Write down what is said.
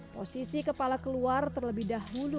posisi kepala keluar terlebih dahulu